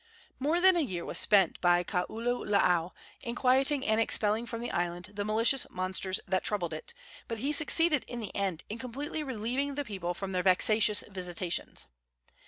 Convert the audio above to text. More than a year was spent by Kaululaau in quieting and expelling from the island the malicious monsters that troubled it, but he succeeded in the end in completely relieving the people from their vexatious visitations.